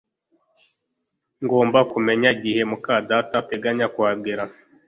Ngomba kumenya igihe muka data ateganya kuhagera